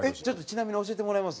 ちなみに教えてもらえます？